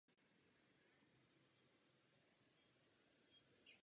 To vše zní tak logicky a moderně, přímo socialisticky.